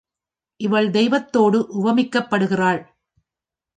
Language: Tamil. இவள் தெய்வத்தோடு உவமிக்கப்படுகின்றாள்.